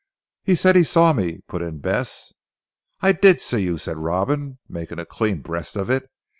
"He said he saw me," put in Bess. "I did see you," said Robin making a clean breast of it.